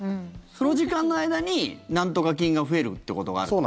その時間の間に、なんとか菌が増えるってことがあると。